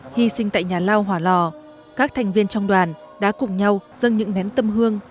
hy sinh tại nhà lao hỏa lò các thành viên trong đoàn đã cùng nhau dâng những nén tâm hương